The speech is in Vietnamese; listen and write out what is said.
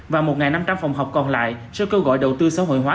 và một năm trăm linh phòng học còn lại sẽ kêu gọi đầu tư xã hội hóa